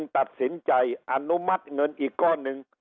ตัดสินใจอนุมัติเงินอีกก้อนหนึ่ง